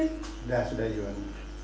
sudah sudah yon